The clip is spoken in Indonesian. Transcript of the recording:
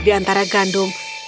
di antara gandum